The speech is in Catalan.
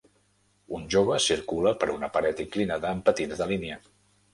Un jove circula per una paret inclinada amb patins de línia